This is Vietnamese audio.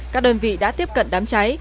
các đơn vị đã tiếp cận đám cháy